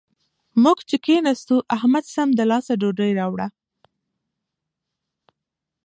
موږ چې کېناستو؛ احمد سم له لاسه ډوډۍ راوړه.